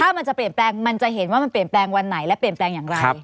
มันจะเปลี่ยนแปลงมันจะเห็นว่ามันเปลี่ยนแปลงวันไหนและเปลี่ยนแปลงอย่างไร